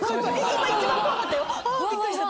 今一番怖かったよ。